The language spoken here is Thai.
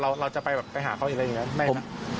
แล้วเราจะไปหาเขาอีกหรืออะไรอย่างนี้